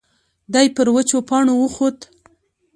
دی پر وچو پاڼو وخوت.